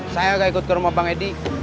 saya gak ikut ke rumah bang edi